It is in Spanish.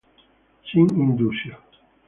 Sin indusio.